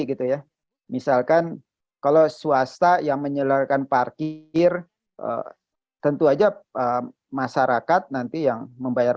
gitu ya misalkan kalau swasta yang menyeluruhkan parkir tentu aja masyarakat nanti yang membayar